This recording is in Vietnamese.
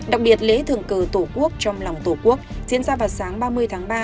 đặc biệt lễ thường cờ tổ quốc trong lòng tổ quốc diễn ra vào sáng ba mươi tháng ba